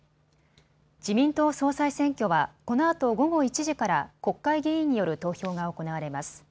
自民党総裁選挙はこのあと午後１時から国会議員による投票が行われます。